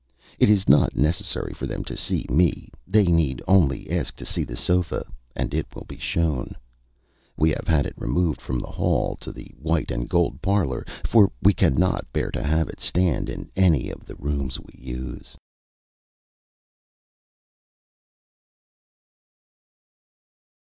It is not necessary for them to see me; they need only ask to see the sofa, and it will be shown. We have had it removed from the hall to the white and gold parlor, for we cannot bear to have it stand in any of the rooms we use.